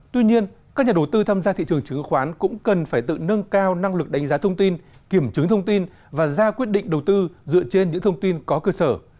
tuy nhiên các nhà đầu tư tham gia thị trường chứng khoán cũng cần phải tự nâng cao năng lực đánh giá thông tin kiểm chứng thông tin và ra quyết định đầu tư dựa trên những thông tin có cơ sở